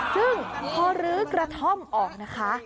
ซึ่งพอลื้อกระท่อมออกนะคะ